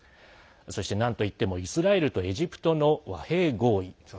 そして、なんといってもイスラエルとエジプトの和平合意。